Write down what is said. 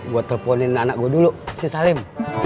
gue teleponin anak gue dulu si salim